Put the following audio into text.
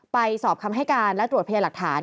ไปสอบคำให้การและตรวจแพงฐาน